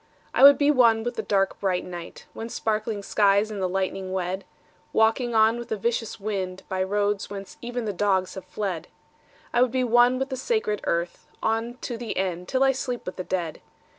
I would be one with the dark bright night When sparkling skies and the lightning wed— Walking on with the vicious wind By roads whence even the dogs have fled. I would be one with the sacred earth On to the end, till I sleep with the dead.